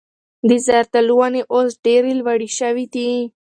د زردالو ونې اوس ډېرې لوړې شوي دي.